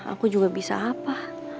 aku juga bisa apa